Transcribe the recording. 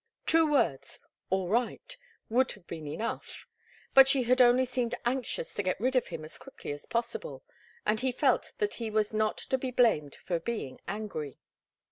Two words, 'all right,' would have been enough. But she had only seemed anxious to get rid of him as quickly as possible, and he felt that he was not to be blamed for being angry.